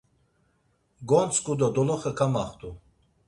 Gontzǩu do doloxe kamaxtu.